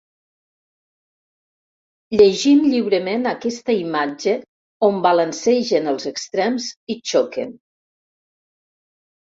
Llegim lliurement aquesta imatge on balancegen els extrems i xoquen.